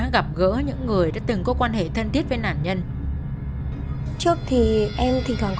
gạch gói xây dựng thôi đúng không